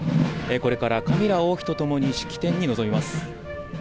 これからカミラ王妃とともに式典に臨みます。